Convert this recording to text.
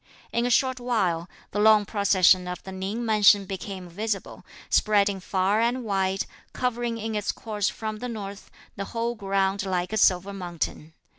In a short while, the long procession of the Ning mansion became visible, spreading far and wide, covering in its course from the north, the whole ground like a silver mountain.